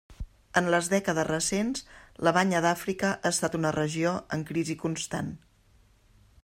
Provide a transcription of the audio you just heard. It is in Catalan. En les dècades recents, la Banya d'Àfrica ha estat una regió en crisi constant.